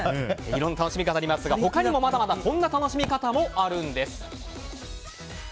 いろいろ楽しみ方ありますが他にもまだまだこんな楽しみ方もあります。